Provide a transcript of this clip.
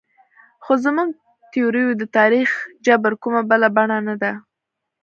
خو زموږ تیوري د تاریخ جبر کومه بله بڼه نه ده.